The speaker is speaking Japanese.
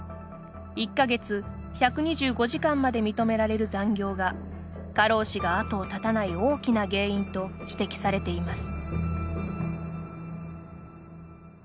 １か月１２５時間まで認められる残業が過労死が後を絶たない大きな原因と指摘されています。